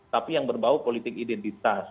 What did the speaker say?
tapi yang berbau politik identitas